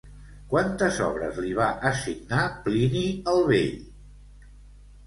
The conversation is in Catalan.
Quantes obres li va assignar Plini el Vell?